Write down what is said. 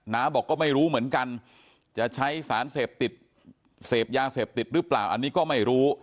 น้าบอกก็ไม่รู้เหมือนกันจะใช้สารเสพติดเสพยาเสพติดหรือเปล่าอันนี้ก็ไม่รู้